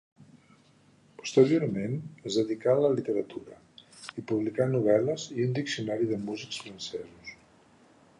Posteriorment es dedicà a la literatura, i publicà novel·les i un Diccionari de músics francesos.